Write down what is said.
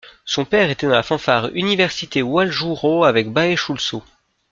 Son père était dans la fanfare 'universitée Hwaljooro avec Bae Chul-soo.